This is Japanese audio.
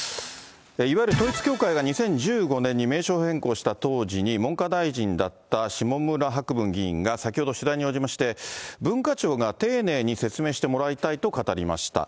いわゆる統一教会が２０１５年に名称変更した当時に文科大臣だった下村博文議員が、先ほど取材に応じまして、文化庁が丁寧に説明してもらいたいと語りました。